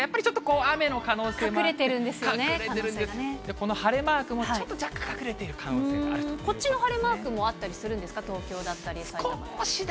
この晴れマークもちょっと若干、隠れている可能性があるというここっちの晴れマークもあったりするんですか、東京だったり埼玉。